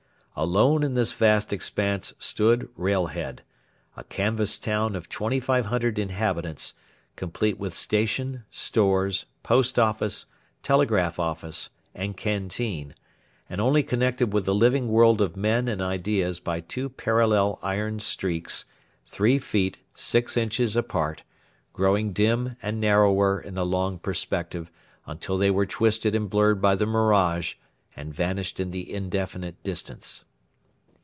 Alone in this vast expanse stood Railhead a canvas town of 2,500 inhabitants, complete with station, stores, post office, telegraph office, and canteen, and only connected with the living world of men and ideas by two parallel iron streaks, three feet six inches apart, growing dim and narrower in a long perspective until they were twisted and blurred by the mirage and vanished in the indefinite distance.